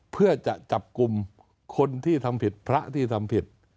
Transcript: เพื่อจะจับกลุ่มคนที่ทำผิดพระที่ทำผิด